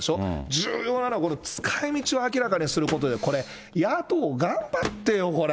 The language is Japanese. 重要なのは、使いみちを明らかにすることで、これ、野党、頑張ってよ、これ。